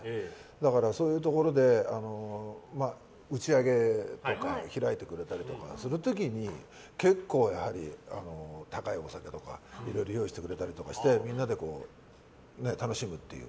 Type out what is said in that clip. だからそういうところで打ち上げとか開いてくれたりとかする時に結構、高いお酒とかいろいろ用意してくれたりしてみんなで楽しむという。